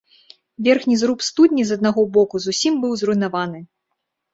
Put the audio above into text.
Верхні зруб студні з аднаго боку зусім быў зруйнаваны.